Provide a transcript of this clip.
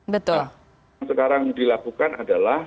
nah yang sekarang dilakukan adalah